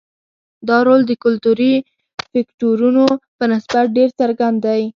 دا رول د کلتوري فکټورونو په نسبت ډېر څرګند دی.